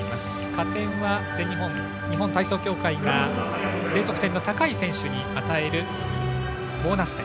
加点は日本体操協会がＤ得点の高い選手に与えるボーナス点。